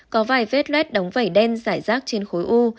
có vài vết luet đóng vẩy đen giải rác trên khối u